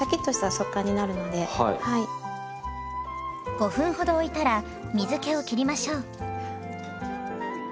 ５分ほどおいたら水けをきりましょう。